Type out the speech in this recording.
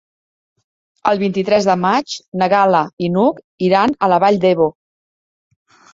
El vint-i-tres de maig na Gal·la i n'Hug iran a la Vall d'Ebo.